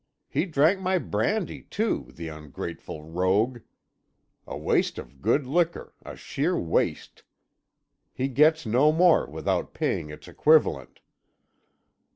He drank my brandy, too, the ungrateful rogue. A waste of good liquor a sheer waste! He gets no more without paying its equivalent."